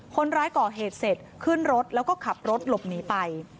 คนร้ายก่อเหตุเสร็จขึ้นรถแล้วก็ขับรถหลบหนีไป